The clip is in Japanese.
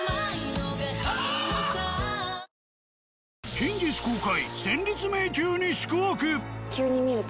近日公開。